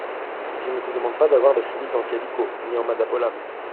Je ne te demande pas d’avoir des chemises en calicot, ni en madapolam !